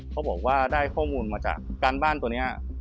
เขาบอกว่าได้ข้อมูลมาจากการบ้านตัวนี้